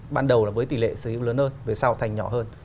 ban đầu là với tỉ lệ sở hữu lớn hơn rồi sau thành nhỏ hơn